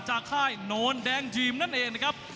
ค่ายโนนแดงทีมนั่นเองนะครับ